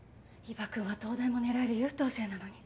伊庭くんは東大も狙える優等生なのに。